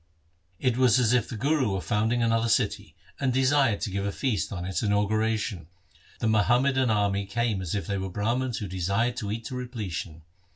It was as if the Guru were founding another city, and desired to give a feast on its inauguration. The Muhammadan army came as if they were Brahmans who desired to eat to repletion.